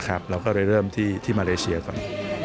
เราก็เลยเริ่มที่มาเลเซียก่อน